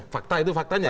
fakta itu faktanya